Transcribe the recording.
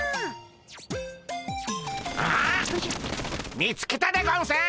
見つけたでゴンス！